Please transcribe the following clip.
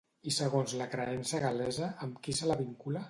I segons la creença gal·lesa, amb qui se la vincula?